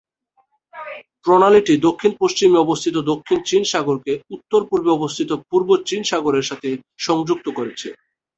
প্রণালীটি দক্ষিণ-পশ্চিমে অবস্থিত দক্ষিণ চীন সাগরকে উত্তর-পূর্বে অবস্থিত পূর্ব চীন সাগরের সাথে সংযুক্ত করেছে।